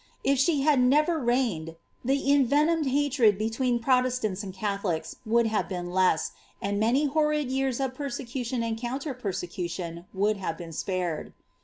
If she had never reigned, the envenomed hatred between Protestants and Gatholics would have been less, and many horrid years of persecutioo and counter persecution would have been spared.